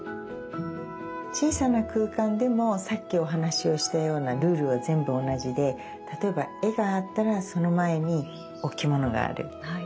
小さな空間でもさっきお話しをしたようなルールは全部同じで例えば絵があったらその前に置物がある。